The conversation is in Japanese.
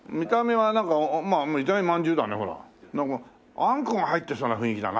あんこが入ってそうな雰囲気だな。